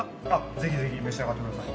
ぜひぜひ召し上がってください。